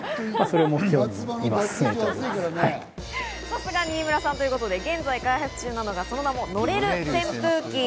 さすが新村さんということで、現在開発中なのが、その名も乗れる扇風機。